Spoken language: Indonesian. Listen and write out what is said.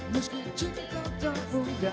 meski cinta tak mudah